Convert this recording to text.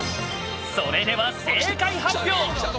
それでは正解発表。